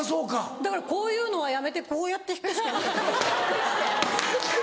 だからこういうのはやめてこうやって弾くしかなかった。